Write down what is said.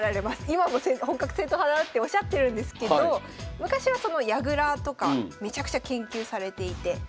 今も本格正統派だっておっしゃってるんですけど昔はその矢倉とかめちゃくちゃ研究されていて。